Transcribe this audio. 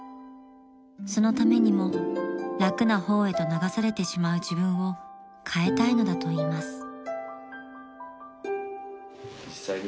［そのためにも楽な方へと流されてしまう自分を変えたいのだといいます］